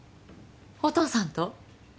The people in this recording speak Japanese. お父さんと！？